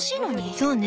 そうね。